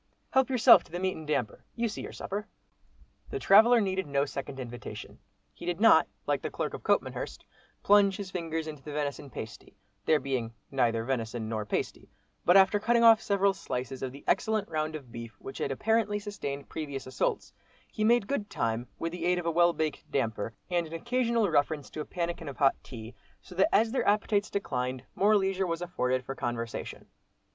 Help yourself to the meat and damper, you see your supper." The traveller needed no second invitation; he did not, like the clerk of Copmanhurst, plunge his fingers into the venison pasty, there being neither venison nor pasty, but after cutting off several slices of the excellent round of beef which had apparently sustained previous assaults, he made good time, with the aid of a well baked "damper," and an occasional reference to a pannikin of hot tea, so that as their appetites declined, more leisure was afforded for conversation.